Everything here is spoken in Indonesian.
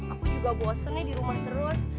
aku juga bosen nih di rumah terus